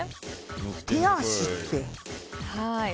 手足って。